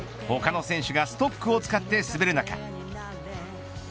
他の選手がストックを使って滑る中